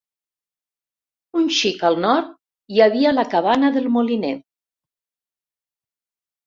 Un xic al nord hi havia la Cabana del Moliner.